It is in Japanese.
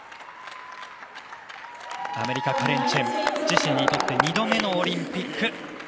アメリカのカレン・チェン自身にとって２度目のオリンピック。